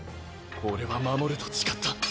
俺は守ると誓った。